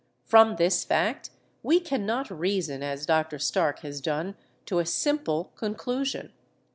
From this fact we cannot reason as Dr. Stark has done to a simple conclusion.